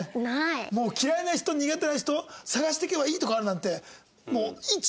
もう嫌いな人苦手な人探していけばいいとこあるなんて。